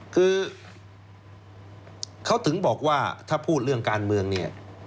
คือเขาถึงบอกว่าถ้าพูดเรื่องการเมืองเนี่ย